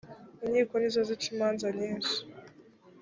inkiko nizozicimanza nyinshi .